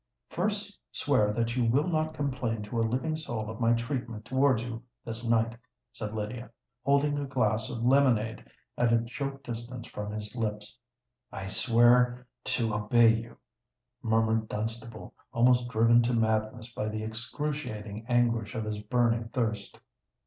"First swear that you will not complain to a living soul of my treatment towards you this night," said Lydia, holding a glass of lemonade at a short distance from his lips. "I swear to obey you," murmured Dunstable, almost driven to madness by the excruciating anguish of his burning thirst.